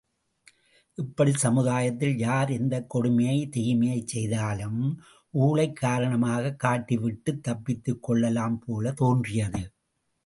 இப்படிச் சமுதாயத்தில் யார் எந்தக் கொடுமையை தீமையைச் செய்தாலும் ஊழைக் காரணமாகக் காட்டிவிட்டுத் தப்பித்துக் கொள்ளலாம் போலத் தோன்றியது.